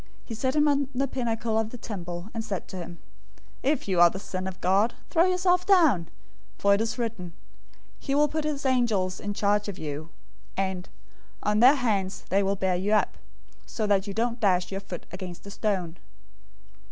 He set him on the pinnacle of the temple, 004:006 and said to him, "If you are the Son of God, throw yourself down, for it is written, 'He will give his angels charge concerning you.' and, 'On their hands they will bear you up, so that you don't dash your foot against a stone.'"